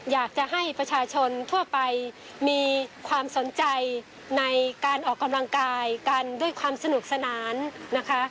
อยากจะให้ประชาชนทั่วไปมีความสนใจในการออกกำลังกายกันด้วยความสนุกสนานนะคะ